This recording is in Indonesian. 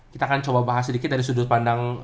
kita akan coba bahas sedikit dari sudut pandang